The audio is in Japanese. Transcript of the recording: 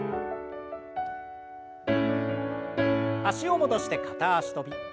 脚を戻して片脚跳び。